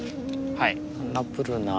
はい。